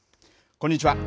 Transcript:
こんにちは。